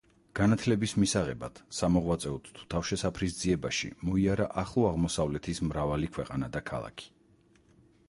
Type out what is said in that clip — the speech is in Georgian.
განათლების მისაღებად, სამოღვაწეოდ თუ თავშესაფრის ძიებაში მოიარა ახლო აღმოსავლეთის მრავალი ქვეყანა და ქალაქი.